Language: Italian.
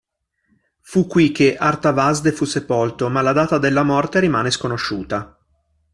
Fu qui che Artavasde fu sepolto, ma la data della morte rimane sconosciuta.